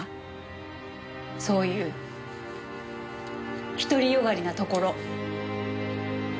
そういう独りよがりなところ。